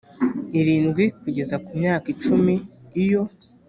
irindwi kugeza ku myaka icumi iyo